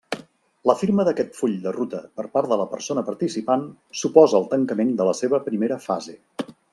La firma d'aquest full de ruta per part de la persona participant suposa el tancament de la seva primera fase.